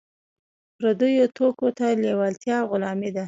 پردیو توکو ته لیوالتیا غلامي ده.